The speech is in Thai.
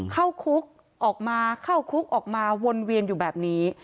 เข้าคุกออกมาเข้าคุกออกมาวนเวียนอยู่แบบนี้